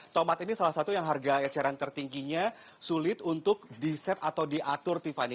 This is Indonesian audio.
tomat ini salah satu yang harga eceran tertingginya sulit untuk di set atau diatur tiffany